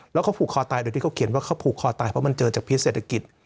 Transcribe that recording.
แล้วเขาผูกคอตายโดยที่เขาเขียนว่าเขาผูกคอตายเพราะมันเจอจากพิษเศรษฐกิจ